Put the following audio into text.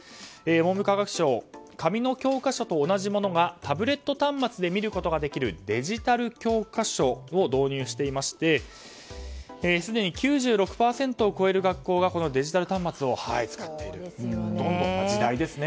文部科学省紙の教科書と同じものがタブレット端末で見ることができるデジタル教科書を導入していましてすでに９６％を超える学校がデジタル端末を使っているんです。